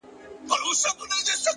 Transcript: هره موخه د قربانۍ قیمت لري.